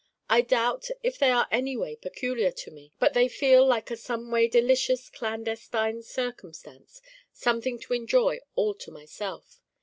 I doubt if they are anyway peculiar to me, but they feel like a someway delicious clandestine circumstance: something to enjoy all to myself.